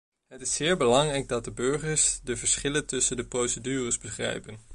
Het is zeer belangrijk dat de burgers de verschillen tussen de procedures begrijpen.